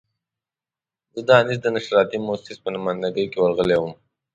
زه د انیس د نشراتي مؤسسې په نماینده ګي ورغلی وم.